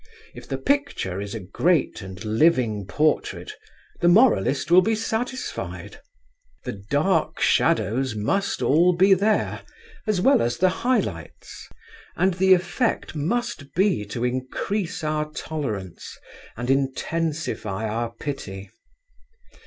If the picture is a great and living portrait, the moralist will be satisfied: the dark shadows must all be there, as well as the high lights, and the effect must be to increase our tolerance and intensify our pity.